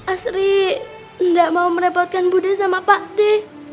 asri enggak mau merepotkan bu dek sama pak dek